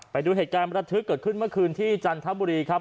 ไปดูเหตุการณ์ประทึกเกิดขึ้นเมื่อคืนที่จันทบุรีครับ